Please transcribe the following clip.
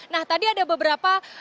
nah tadi ada beberapa